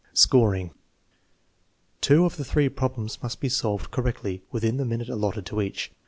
Scoring. Two of the three problems must be solved cor rectly within the minute allotted to each.